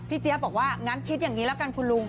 เจี๊ยบบอกว่างั้นคิดอย่างนี้ละกันคุณลุง